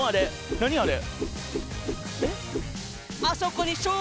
何あれ？